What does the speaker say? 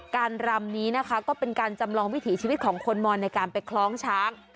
รำนี้นะคะก็เป็นการจำลองวิถีชีวิตของคนมอนในการไปคล้องช้าง